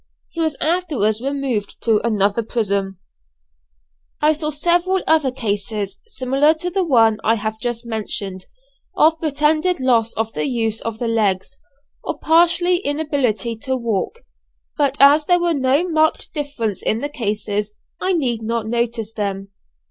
He was afterwards removed to another prison. I saw several other cases, similar to the one I have just mentioned, of pretended loss of the use of the legs, or partial inability to walk; but as there was no marked difference in the cases, I need not notice them.